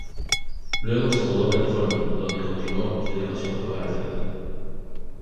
Luego se mudó a California donde continuó su educación geográfica.